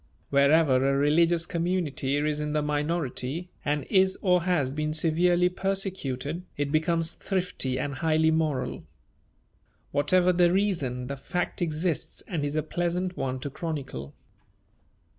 Wherever a religious community is in the minority and is or has been severely persecuted, it becomes thrifty and highly moral. Whatever the reason, the fact exists and is a pleasant one to chronicle.